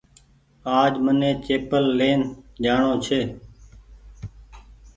آج مني چيپل لين جآڻو ڇي